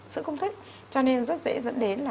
sữa không thích cho nên rất dễ dẫn đến